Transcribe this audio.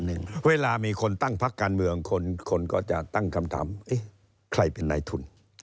นึงเวลามีคนตั้งพักการเมืองคนคนก็จะตั้งคำถามที่่ายเป็นไหนทุน